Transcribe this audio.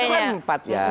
jadi waktu itu kan empat ya